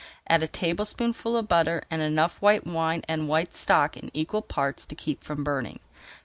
Add a tablespoonful of butter and enough white wine and white stock in equal parts to keep from burning.